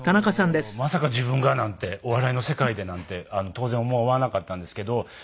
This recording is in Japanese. まさか自分がなんてお笑いの世界でなんて当然思わなかったんですけど。